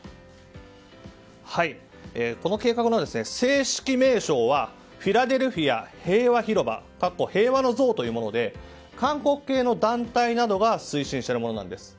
この計画の正式名称はフィラデルフィア平和広場というもので韓国系の団体などが推進しているものなんです。